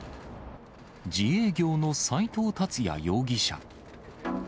自営業の斉藤竜也容疑者。